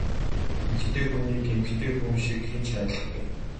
Эмэгтэй хүнийг эмэгтэй хүн шиг хэн ч хайрлахгүй!